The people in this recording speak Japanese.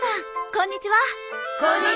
こんにちは。